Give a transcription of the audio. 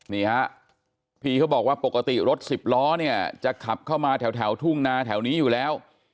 นี่ฮะพี่เขาบอกว่าปกติรถสิบล้อเนี่ยจะขับเข้ามาแถวทุ่งนาแถวนี้อยู่แล้ว